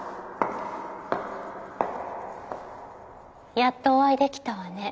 やっとお会いできたわね